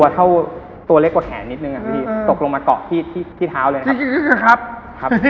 ตัวเล็กกว่าแขนนิดนึงตกลงมาเกาะที่เท้าเลยนะครับ